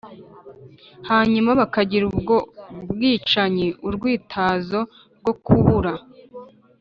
hanyuma bakagira ubwo bwicanyi urwitazo rwo kubura